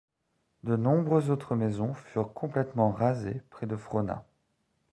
De nombreuses autres maisons furent complètement rasées près de Frohna.